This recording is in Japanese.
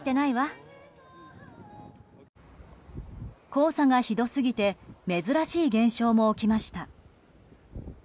黄砂がひどすぎて珍しい現象も起きました。